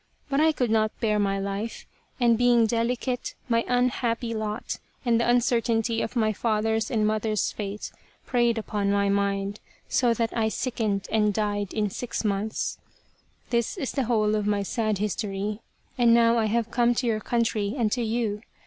But I could not bear my life, and being delicate, my unhappy lot and the un 127 The Lady of the Picture certainty of my father's and mother's fate preyed upon my mind, so that I sickened and died in six months. This is the whole of my sad history. And now I have come to your country and to you.